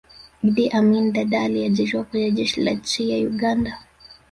iddi amin dadaa aliajiriwa Kwenye jeshi la nchi ya uganda